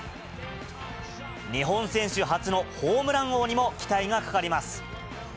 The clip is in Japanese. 日本選手初のホームラン王にも期待がかかります。